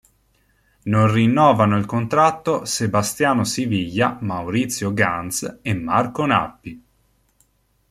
Non rinnovano il contratto Sebastiano Siviglia, Maurizio Ganz e Marco Nappi.